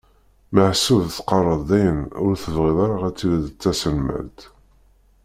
Meḥsub teqqareḍ-d dayen ur tebɣiḍ ara tiliḍ d taselmadt?